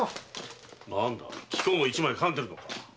何だ貴公も一枚かんでいるのか？